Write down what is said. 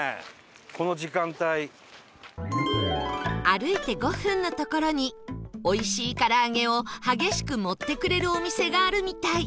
歩いて５分の所においしい唐揚げを激しく盛ってくれるお店があるみたい